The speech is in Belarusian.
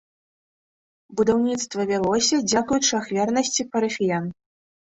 Будаўніцтва вялося дзякуючы ахвярнасці парафіян.